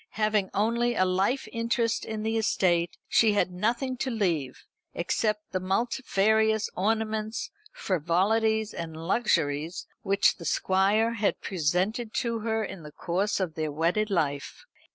Having only a life interest in the estate, she had nothing to leave, except the multifarious ornaments, frivolities, and luxuries which the Squire had presented to her in the course of their wedded life.